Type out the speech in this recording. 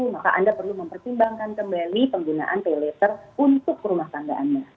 maka anda perlu mempertimbangkan kembali penggunaan paylater untuk perumah tangga anda